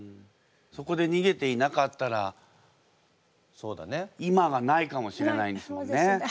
そこで逃げていなかったらいまがないかもしれないんですもんね。